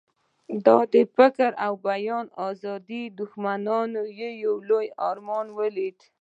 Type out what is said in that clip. د فکر او بیان د آزادۍ دښمنانو یې لوړ ارمان ولید.